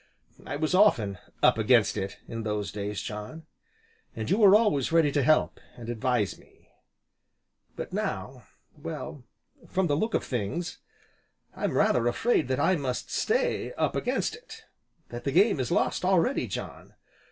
I was often 'up against it,' in those days, John, and you were always ready to help, and advise me; but now, well, from the look of things, I'm rather afraid that I must stay 'up against it' that the game is lost already, John.